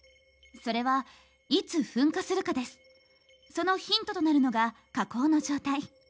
そのヒントとなるのが火口の状態。